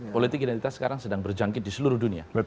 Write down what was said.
politik identitas sekarang sedang berjangkit di seluruh dunia